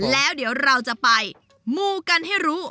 แล้วเดี๋ยวเราจะไปมูกันให้รู้